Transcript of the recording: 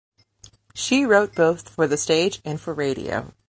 She wrote both for the stage and for radio.